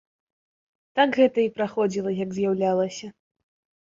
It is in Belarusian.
Так гэта і праходзіла, як з'яўлялася.